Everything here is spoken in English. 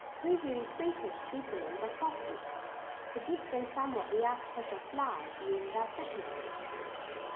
Two very freakish specimens of frost etchings. Suggesting somewhat the artificial "flies" used by fishermen.